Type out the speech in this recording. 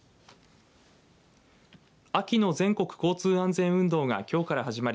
秋の全国交通安全運動がきょうから始まり